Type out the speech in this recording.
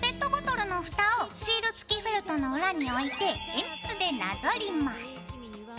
ペットボトルのふたをシール付きフェルトの裏に置いて鉛筆でなぞります。